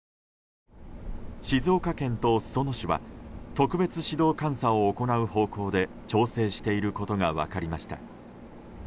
静岡県と裾野市は特別指導監査を行う方向で調整していることが分かりました。